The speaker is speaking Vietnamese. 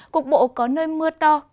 cục bộ có nơi mưa to